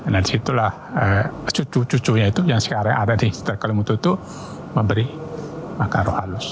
nah disitulah cucu cucunya itu yang sekarang ada di sekitar kalimutu itu memberi makaro halus